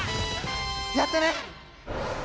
やったね！